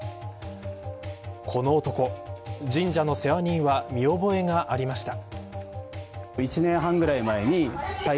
この男神社の世話人は見覚えがありました。